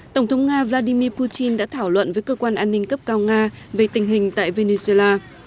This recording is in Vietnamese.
tổng thống nga vladimir putin đã thảo luận với cơ quan an ninh cấp cao nga về tình hình tại venezuela